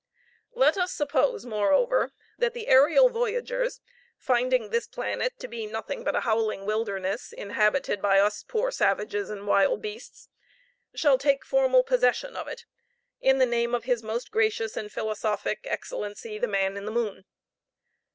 Let us suppose, moreover, that the aerial voyagers, finding this planet to be nothing but a howling wilderness, inhabited by us poor savages and wild beasts, shall take formal possession of it, in the name of his most gracious and philosophic excellency, the Man in the Moon.